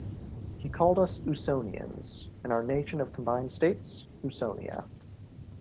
He called us Usonians, and our Nation of combined States, Usonia.